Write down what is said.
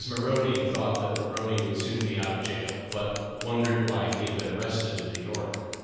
Maroney thought that Maroney would soon be out of jail, but wondered why he had been arrested in New York.